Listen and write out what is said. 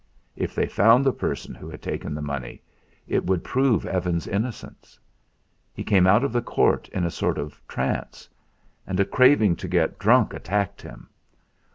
If they found the person who had taken the money, it would prove Evan's innocence. He came out of the court in a sort of trance. And a craving to get drunk attacked him.